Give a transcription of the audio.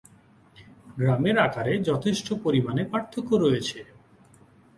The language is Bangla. গ্রামের আকারে যথেষ্ট পরিমাণে পার্থক্য রয়েছে।